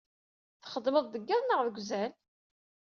Txeddmeḍ deg iḍ neɣ deg uzal?